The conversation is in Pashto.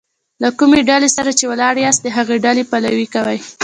له کومي ډلي سره چي ولاړ یاست؛ د هغي ډلي پلوي کوئ!